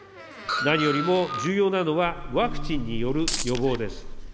何よりも重要なのは、ワクチンによる予防です。